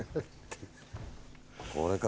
これか。